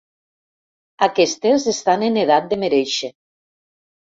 Aquestes estan en edat de merèixer.